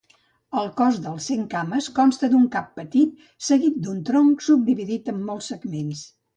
El cos dels centcames consta d'un cap petit seguit d'un tronc subdividit en molts segments.